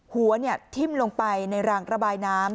หัวทิ้มลงไปในรางระบายน้ำ